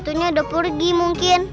udah pergi mungkin